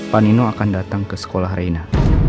pak nino akan datang ke sekolah reina